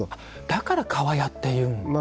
だからかわやって言うんですか。